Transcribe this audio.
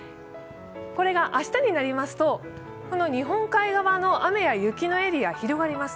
これが明日になりますと日本海側の雨や雪のエリア広がります。